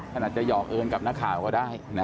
ถ้านัดจะหยอกเอิญกับหน้าข่าก็ได้